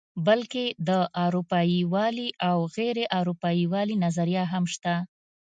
بلکې د اروپايي والي او غیر اروپايي والي نظریه هم شته.